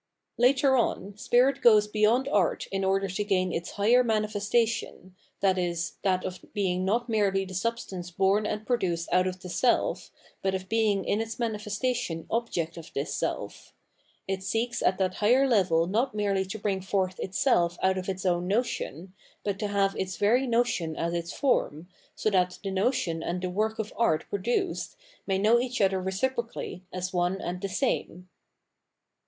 Later on, spirit goes beyond art in order to gain its higher manifestation, viz. that of being not merely the substance born and produced out of the self, but of being in its manifestation object of this self; it seeks at that higher level not merely to bring forth itself out of its own notion, but to have its very notion as its form, so that the notion and the work of art pro duced may know e^h other reciprocally as one and the same.